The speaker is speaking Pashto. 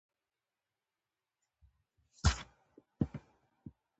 د پښتورګو د مینځلو لپاره د هندواڼې او اوبو ګډول وکاروئ